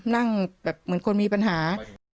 นั่งเหมือนคนนี้คนมีปัญหา